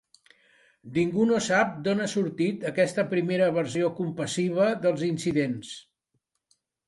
Ningú no sap d'on ha sortit aquesta primera versió compassiva dels incidents.